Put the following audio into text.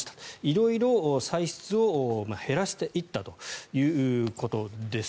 色々、歳出を減らしていったということです。